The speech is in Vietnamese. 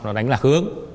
nó đánh lạc hướng